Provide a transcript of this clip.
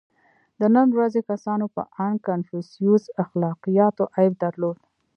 • د نن ورځې کسانو په اند کنفوسیوس اخلاقیاتو عیب درلود.